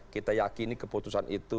kita yakini keputusan itu